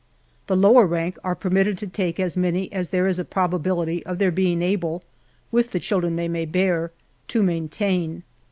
The lower rank are per mitted to take as many as there is a probability of their be ing able, with the children they may bear, to maintain.